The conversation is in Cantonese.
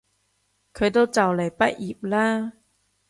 佢都就嚟畢業喇